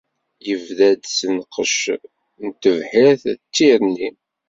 Yebda-d s nnqec n tebḥirt d tirni.